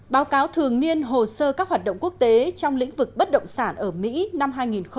báo cáo thường niên hồ sơ các hoạt động quốc tế trong lĩnh vực bất động sản ở mỹ năm hai nghìn một mươi chín